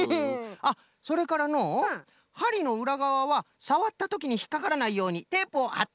あっそれからのうはりのうらがわはさわったときにひっかからないようにテープをはっておくとよいぞ。